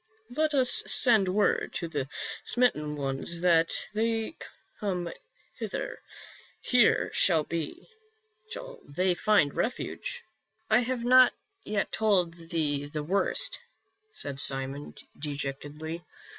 Let us send word to the smitten ones that they come hither ; here shall they find refuge." " I have not yet told thee the worst," said Simon, dejectedly.